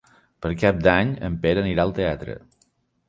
Per Cap d'Any en Pere anirà al teatre.